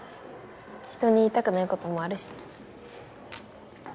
ひとに言いたくないこともあるしね。